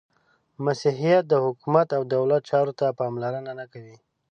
• مسیحیت د حکومت او دولت چارو ته پاملرنه نهکوي.